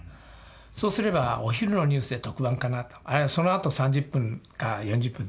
そうすればお昼のニュースで特番かなとあるいはそのあと３０分か４０分特番。